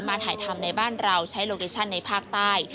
ถ่ายทำในบ้านเราใช้โลเคชั่นในภาคใต้